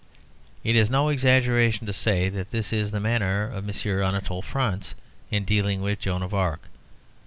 It is no exaggeration to say that this is the manner of M. Anatole France in dealing with Joan of Arc.